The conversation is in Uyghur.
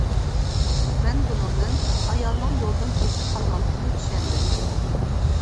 مەن بۇنىڭدىن ئايالنىڭ يولدىن ئېزىپ قالغانلىقىنى چۈشەندىم.